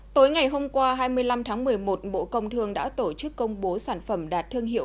tối ngày hôm qua hai mươi năm tháng một mươi một bộ công thương đã tổ chức công bố sản phẩm đạt thương hiệu